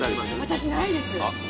私ないです。